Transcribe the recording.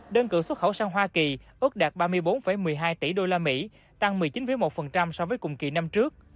đơn cử xuất khẩu sang hoa kỳ ước đạt ba mươi bốn một mươi hai tỷ usd tăng một mươi chín một so với cùng kỳ năm trước